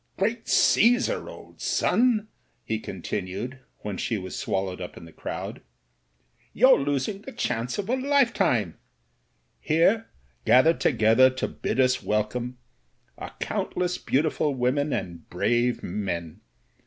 "Great Caesar, old son!" he continued, when she was swallowed up in the crowd, "you're losing the chance of a lifetime. Here, gathered together to bid us wel come, are countless beautiful women and brave men.